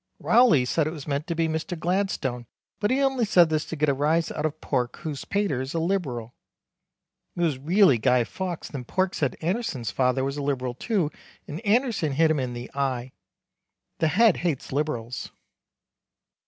Rowley said it was meant to be Mister Gladstone but he only said this to get a rise out of Pork whose paters a liberal. It was reelly Guy Fawks then Pork said Anderson's father was a liberal too and Anderson hit him in the eye. The Head hates liberals.